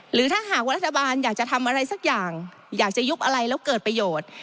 หรือถ้าหากว่ารัฐบาลอยากจะทำอะไรสักอย่างอยากจะยุบอะไรแล้วเกิดประโยชน์